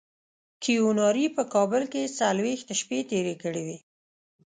کیوناري په کابل کې څلوېښت شپې تېرې کړې وې.